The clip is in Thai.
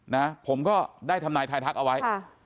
นะผมก็ได้ทำนายทายทักเอาไว้